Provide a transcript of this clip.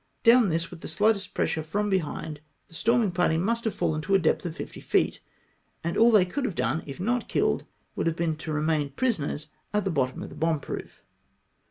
Down this, with the slightest pressure from beliind, tJie storming party must have fallen to a depth of fifty feet, and all they could have done, if not killed, would have been to remain prisoners at the bottom of the bomb proof.